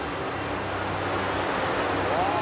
「うわ！」